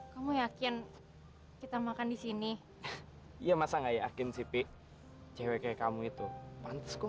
kamu yakin kita makan di sini iya masa nggak yakin sih pi ceweknya kamu itu pantes kok